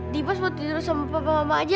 dimas mau tidur sama papa mama saja